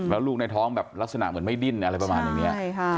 แล้วลูกในท้องแบบลักษณะเหมือนไม่ดิ้นอะไรประมาณอย่างนี้